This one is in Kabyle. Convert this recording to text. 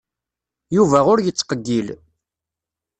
Yuba ur yettqeyyil.